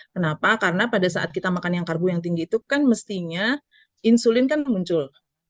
kenapa karena pada saat kita makan yang karbo yang tinggi itu kan mestinya insulin kan muncul